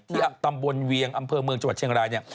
ใต้ศรัทธิ์บนเวียงอำเภอเมืองจังหวัดเชียงราย